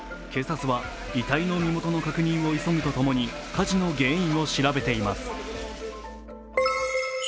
警察は遺体の身元の確認を急ぐと共に火事の原因を調べています。